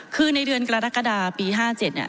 คือในเดือนกรกฎาปี๕๗เนี่ย